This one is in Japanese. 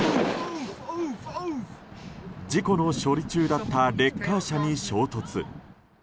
事故の処理中だったレッカー車に衝突。